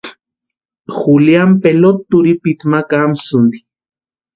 Juliani pelota turhipiti ma kamasïnti.